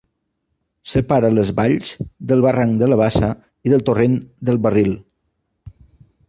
Separa les valls del barranc de la Bassa i del torrent del Barril.